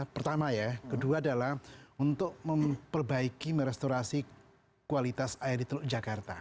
pertama ya kedua adalah untuk memperbaiki merestorasi kualitas air di teluk jakarta